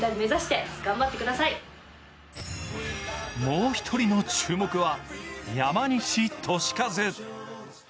もう一人の注目は山西利和。